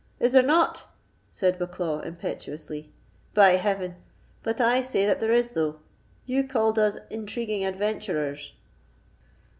"Is there not?" said Bucklaw, impetuously. "By Heaven! but I say that there is, though: you called us intriguing adventurers."